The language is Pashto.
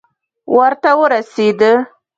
وره ته ورسېده.